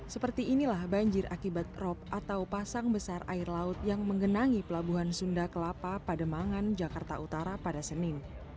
seperti inilah banjir akibat rop atau pasang besar air laut yang menggenangi pelabuhan sunda kelapa pademangan jakarta utara pada senin